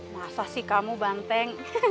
masa sih kamu banteng